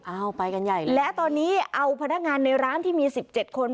เอาไปกันใหญ่เลยและตอนนี้เอาพนักงานในร้านที่มี๑๗คน